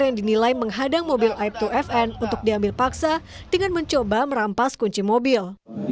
yang dinilai menghadang mobil aib dua fn untuk diambil paksa dengan mencoba merampas kunci mobil